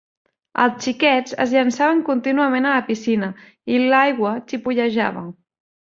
Els xiquets es llençaven contínuament a la piscina i l'aigua xipollejava.